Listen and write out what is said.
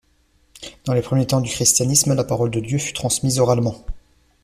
Dans les premiers temps du christianisme, la Parole de Dieu fut transmise oralement.